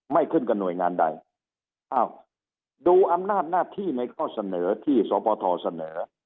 ขึ้นกับหน่วยงานใดอ้าวดูอำนาจหน้าที่ในข้อเสนอที่สพเสนอ